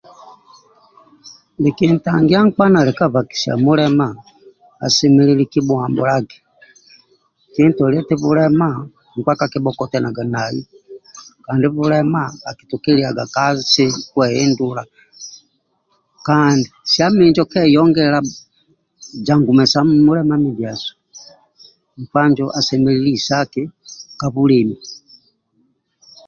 Nikili tangia nkpa nali ka bbakisianmulema asemelelu kimuhabhulage kintoloie eti bulema nkpa kakibhokianagq nai kandi sie minjo keyongela injo andi musango ka mulema mindiasu nkpa injo asemelelu isaki ka bulemi